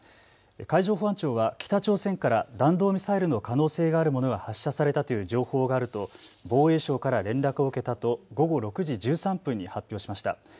海上保安庁は北朝鮮から弾道ミサイルの可能性があるものが発射されたという情報があると防衛省から連絡を受けたと午後６時１３分に発表しました。